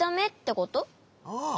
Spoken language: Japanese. ああ。